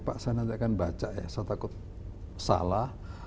pak saya nanti akan baca ya saya takut salah